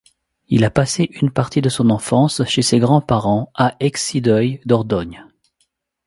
Il a passé une partie de son enfance chez ses grands-parents à Excideuil, Dordogne.